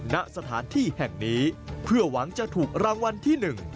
ณสถานที่แห่งนี้เพื่อหวังจะถูกรางวัลที่หนึ่ง